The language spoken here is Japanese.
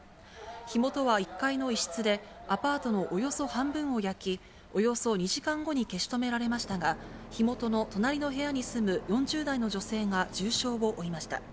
火元は１階の一室で、アパートのおよそ半分を焼き、およそ２時間後に消し止められましたが、火元の隣の部屋に住む４０代の女性が重傷を負いました。